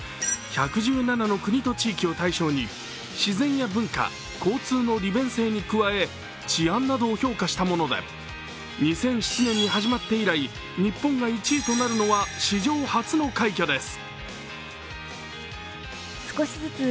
１１７の国と地域を対象に自然や文化交通の利便性に加え、治安などを評価したもので２００７年に始まって以来、日本が１位となるのは史上初の快挙です。